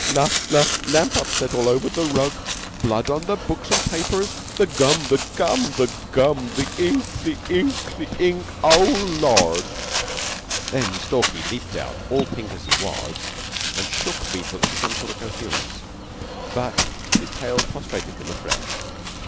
La la lamp upset all over the rug. Blood on the books and papers. The gum! The gum! The gum! The ink! The ink! The ink! Oh, Lord!" Then Stalky leaped out, all pink as he was, and shook Beetle into some sort of coherence; but his tale prostrated them afresh.